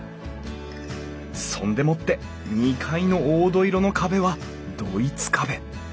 そんでもって２階の黄土色の壁はドイツ壁。